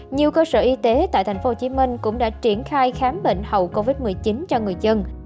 nhiều cơ sở y tế tại tp hcm cũng đã triển khai khám bệnh hậu covid một mươi chín cho người dân